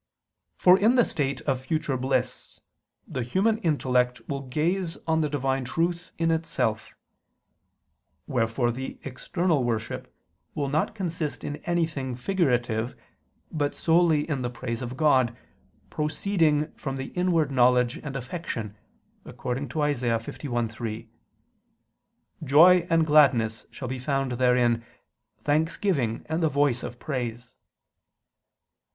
For in the state of future bliss, the human intellect will gaze on the Divine Truth in Itself. Wherefore the external worship will not consist in anything figurative, but solely in the praise of God, proceeding from the inward knowledge and affection, according to Isa. 51:3: "Joy and gladness shall be found therein, thanksgiving and the voice of praise."